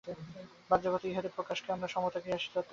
বাহ্যজগতে ইহাদের প্রকাশকে আমরা সমতা, ক্রিয়াশীলতা ও জড়তা বলিতে পারি।